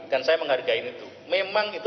dan saya menghargai itu memang itu